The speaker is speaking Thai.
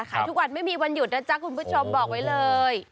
ทุกวันไม่มีวันหยุดนะจ๊ะคุณผู้ชมบอกไว้เลย